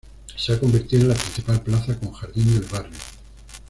Se ha convertido en la principal plaza con jardín del barrio.